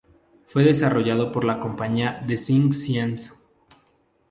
Fue desarrollado por la compañía Design Science.